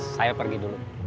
saya pergi dulu